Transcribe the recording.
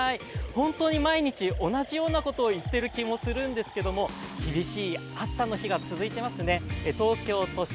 本当に毎日、同じようなことを言っている気がするんですけど、厳しい暑さの日が続いていますね、東京都心